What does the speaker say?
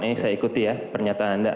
ini saya ikuti ya pernyataan anda